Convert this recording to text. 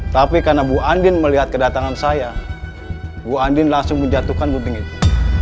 tapi karena bu andin melihat kedatangan saya bu andin langsung menjatuhkan puting itu